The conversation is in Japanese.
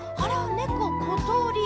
ねこことり。